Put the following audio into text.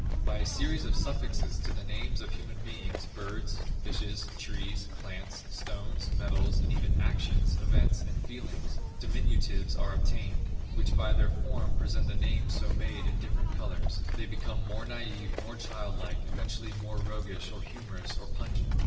By a series of suffixes to the names of human beings, birds, fishes, trees, plants, stones, metals, and even actions, events, and feelings, diminutives are obtained, which by their form, present the names so made in different colors; they become more naïve, more childlike, eventually more roguish, or humorous, or pungent.